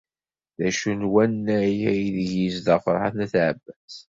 D acu n wannag aydeg yezdeɣ Ferḥat n At Ɛebbas?